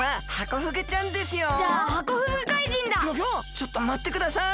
ちょっとまってください！